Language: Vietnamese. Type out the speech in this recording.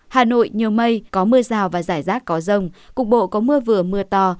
hà nội nhiều mây có mưa rào và rải rác có rông cục bộ có mưa vừa mưa to